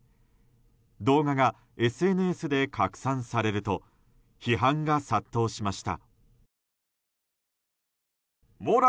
動画がＳＮＳで拡散されると批判が殺到しました。